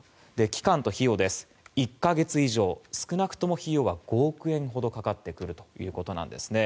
期間と費用ですが、１か月以上少なくとも費用は５億円ほどかかってくるということです。